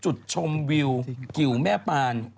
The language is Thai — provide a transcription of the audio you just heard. จุดชมวิวกิวแม่ปาน